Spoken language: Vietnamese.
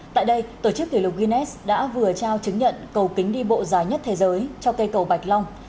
tại đây tổ chức kỷ lục guinness đã vừa trao chứng nhận cầu kính đi bộ dài nhất thế giới cho cây cầu bạch long